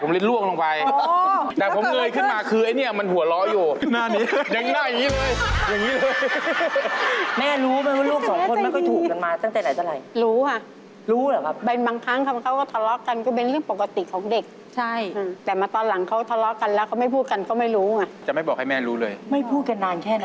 มันเป็นเรื่องอะไรขาดบาดตายขนาดนั้นเลยเหรอคุณ